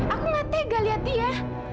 aku gak tega lihat dia